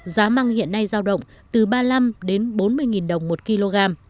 giá măng hiện nay giao động từ ba mươi năm đến bốn mươi đồng một kg